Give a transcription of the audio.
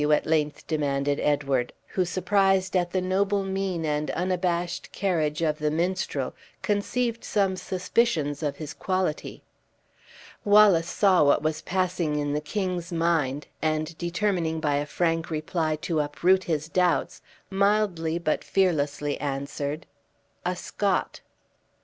at length demanded Edward, who, surprised at the noble mien and unabashed carriage of the minstrel, conceived some suspicions of his quality. Wallace saw what was passing in the king's mind, and determining by a frank reply to uproot his doubts, mildly but fearlessly answered: "A Scot."